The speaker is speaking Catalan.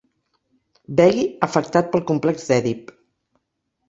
Begui afectat pel complex d'Èdip.